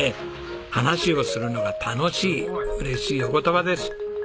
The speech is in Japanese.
「話をするのが楽しい」嬉しいお言葉です。